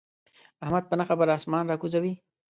احمد په نه خبره اسمان را کوزوي.